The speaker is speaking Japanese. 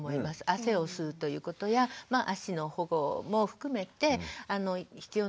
汗を吸うということや足の保護も含めて必要なんですけど